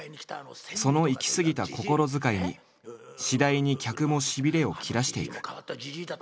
そのいきすぎた心遣いに次第に客もしびれを切らしていく。